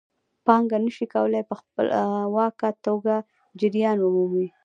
پانګه نشي کولای په خپلواکه توګه جریان ومومي